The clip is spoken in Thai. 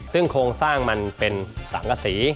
ซึ่งโครงสร้างมันเป็นสังกษี